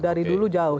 dari dulu jauh